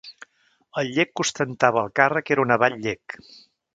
El llec que ostentava el càrrec era un abat llec.